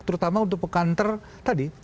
terutama untuk pekanter tadi